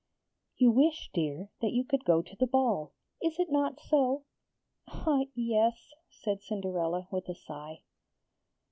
'You wish, dear, that you could go to the ball; is it not so?' 'Ah, yes!' said Cinderella with a sigh.